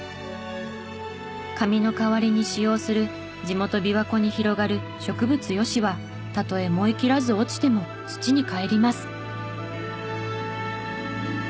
紙の代わりに使用する地元琵琶湖に広がる植物ヨシはたとえ燃え切らず落ちても土に返ります。